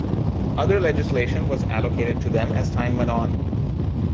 Other legislation was allocated to them as time went on.